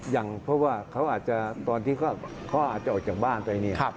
ยังเพราะว่าเขาอาจจะตอนที่เขาอาจจะออกจากบ้านไปเนี่ย